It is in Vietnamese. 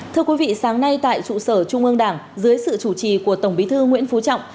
thưa quý vị sáng nay tại trụ sở trung ương đảng dưới sự chủ trì của tổng bí thư nguyễn phú trọng